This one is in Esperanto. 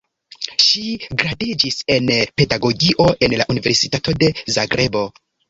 Ŝi gradiĝis en pedagogio en la Universitato de Zagrebo.